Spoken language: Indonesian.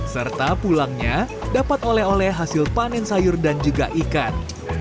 serta pulangnya dapat oleh oleh hasil panen sayur dan juga ikan